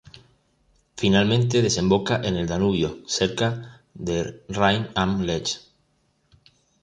Finalmente desemboca en el Danubio cerca de Rain am Lech.